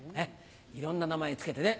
いろんな名前付けてね。